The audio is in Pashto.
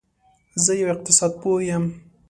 زه یو اقتصاد پوه یم